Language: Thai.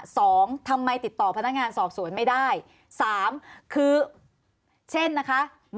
สวัสดีครับคุณจำฟันครับ